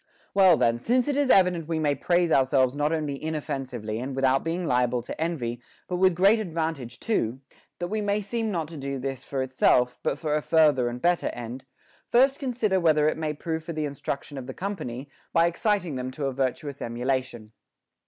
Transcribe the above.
15. Well then, since it is evident we may praise our selves not only inoffensively and without being liable to envy, but with great advantage too ; that we may seem not to do this for itself, but for a further and better eud, first consider whether it may prove for the instruction of the company, by exciting them to a virtuous emulation.